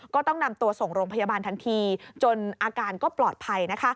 ก็ต้องนำตัวส่งโรงพยาบาลทันทีจนอาการก็ปลอดภัย